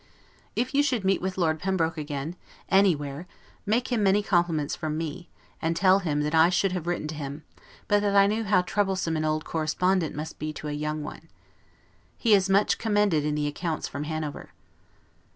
If you should meet with Lord Pembroke again, anywhere, make him many compliments from me; and tell him that I should have written to him, but that I knew how troublesome an old correspondent must be to a young one. He is much commended in the accounts from Hanover.